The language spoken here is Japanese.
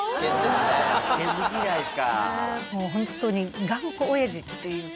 もうホントに頑固親父っていうか。